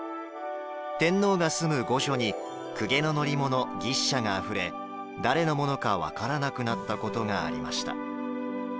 天皇が住む御所に、公家の乗り物牛車があふれ誰のものか分からなくなったことがありました。